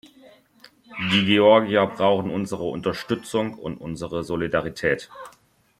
Die Georgier brauchen unsere Unterstützung und unsere Solidarität.